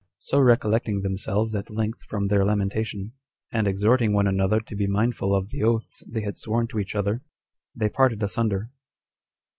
So recollecting themselves at length from their lamentation, and exhorting one another to be mindful of the oaths they had sworn to each other, they parted asunder.